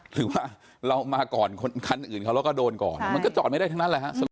หรือว่าเรามาก่อนคันอื่นเขาแล้วก็โดนก่อนมันก็จอดไม่ได้ทั้งนั้นแหละฮะ